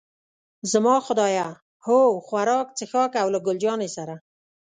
زما خدایه، هو، خوراک، څښاک او له ګل جانې سره.